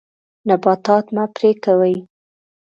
نباتات مه پرې کوئ.